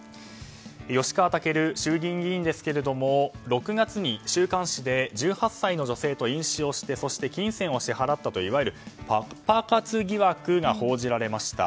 吉川赳衆議院議員ですけれども６月に週刊誌で１８歳の女性と飲酒をしてそして金銭を支払ったといういわゆるパパ活疑惑が報じられました。